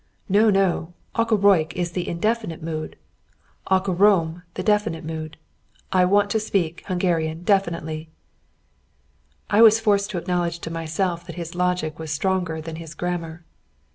"No! no! Akarok is the indefinite mood, akarom the definite mood; and I want to speak Hungarian definitely." I was forced to acknowledge to myself that his logic was stronger than his grammar.